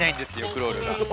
クロールが。